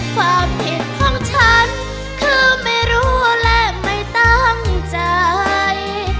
ความผิดของฉันคือไม่รู้และไม่ตั้งใจ